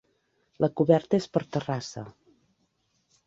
La coberta és per terrassa.